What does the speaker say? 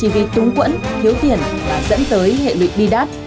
hành vi túng quẫn thiếu tiền và dẫn tới hệ lụy bi đát